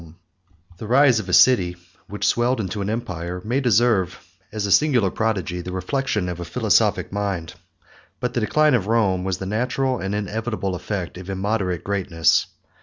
] The rise of a city, which swelled into an empire, may deserve, as a singular prodigy, the reflection of a philosophic mind. But the decline of Rome was the natural and inevitable effect of immoderate greatness.